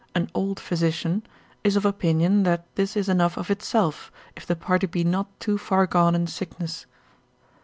an old physician, is of opinion, that this is enough of itself, if the party be not too far gone in sickness.